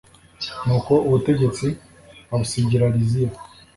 nuko ubutegetsi abusigira liziya